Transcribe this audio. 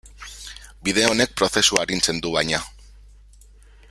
Bide honek prozesua arintzen du, baina.